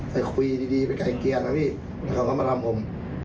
ไปคุยดีไปไกลเกลียนะพี่แล้วเขาก็มาทำผม